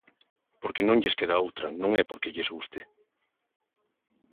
Porque non lles queda outra, non é porque lles guste.